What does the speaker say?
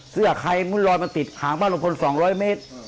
เสื้อใครมุ่นลอยมาติดหางบ้านลุงพล๒๐๐เมตร